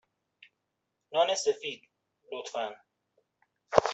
نان سفید، لطفا.